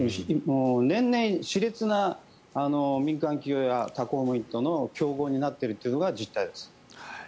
年々、熾烈な民間企業や他公務員との競合になっているというのが実態です。